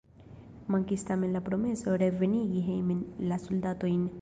Mankis tamen la promeso revenigi hejmen la soldatojn.